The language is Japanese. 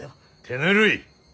手ぬるい。